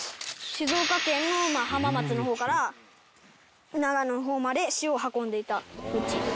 静岡県の浜松の方から長野の方まで塩を運んでいた道。